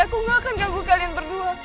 aku gak akan ganggu kalian berdua